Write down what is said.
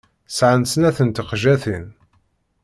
Sɛan snat n teqjatin.